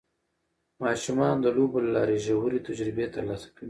ماشومان د لوبو له لارې ژورې تجربې ترلاسه کوي